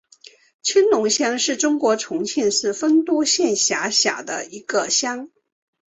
青龙乡是中国重庆市丰都县下辖的一个乡。